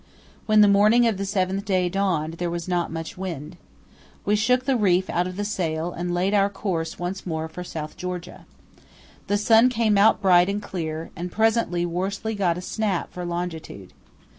When the morning of the seventh day dawned there was not much wind. We shook the reef out of the sail and laid our course once more for South Georgia. The sun came out bright and clear, and presently Worsley got a snap for longitude.